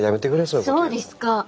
そうですか。